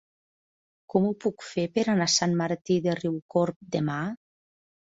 Com ho puc fer per anar a Sant Martí de Riucorb demà?